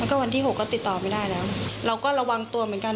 แล้วก็วันที่หกก็ติดต่อไม่ได้แล้วเราก็ระวังตัวเหมือนกัน